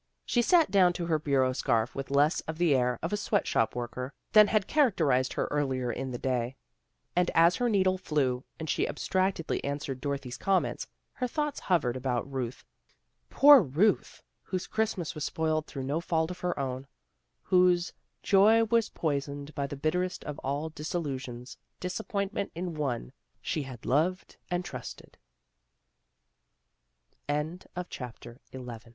She sat down to her bureau scarf with less of the air of a sweat shop worker, than had characterized her earlier hi the day, and as her needle flew, and she abstractedly answered Dorothy's comments, her thoughts hovered about Ruth, poor Ruth, whose Christ mas was spoiled through no fault of her own, whose joy was poisoned by the bitterest of all disillusions, disappointment in one she had lov